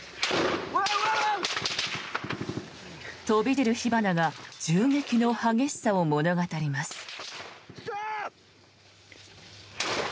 飛び散る火花が銃撃の激しさを物語ります。